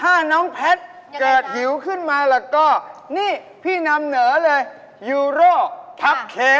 ถ้าน้องแพทย์เกิดหิวขึ้นมาแล้วก็นี่พี่นำเหนอเลยยูโร่พับเค